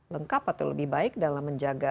lengkap atau lebih baik dalam menjaga